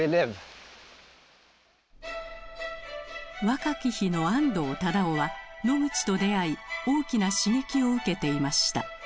若き日の安藤忠雄はノグチと出会い大きな刺激を受けていました。